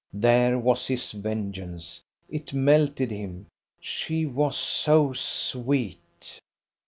There was his vengeance. It melted him, she was so sweet!